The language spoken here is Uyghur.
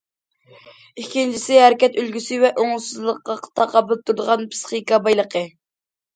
ئىككىنچىسى، ھەرىكەت ئۈلگىسى ۋە ئوڭۇشسىزلىققا تاقابىل تۇرىدىغان پىسخىكا بايلىقى.